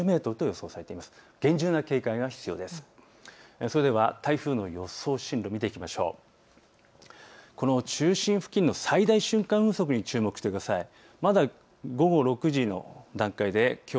それでは台風の予想進路を見ていきましょう。